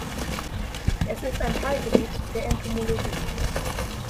Es ist ein Teilgebiet der Entomologie.